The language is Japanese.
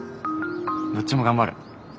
どっちも頑張る。